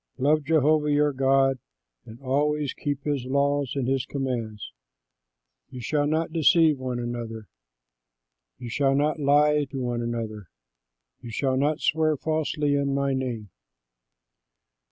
Love Jehovah your God and always keep his laws and his commands. You shall not deceive one another. You shall not lie to one another. You shall not swear falsely in my name.